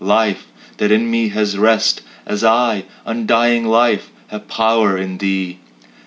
Life that in me has rest, As I undying Life have power in Thee!